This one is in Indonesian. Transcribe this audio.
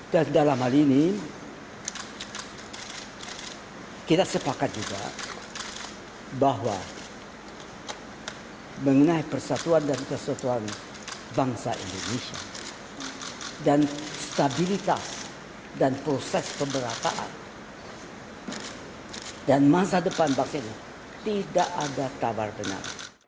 dan dalam hal ini kita sepakat juga bahwa mengenai persatuan dan kesatuan bangsa indonesia dan stabilitas dan proses pemberataan dan masa depan bangsa indonesia tidak ada tabar benar